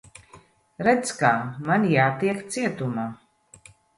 Redz, kā. Man jātiek cietumā.